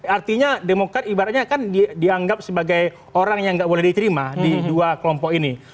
artinya demokrat ibaratnya kan dianggap sebagai orang yang nggak boleh diterima di dua kelompok ini